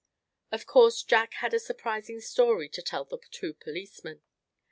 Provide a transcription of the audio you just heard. Of course Jack had a surprising story to tell the two policemen.